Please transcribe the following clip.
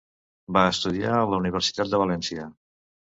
Va estudiar a la Universitat de València.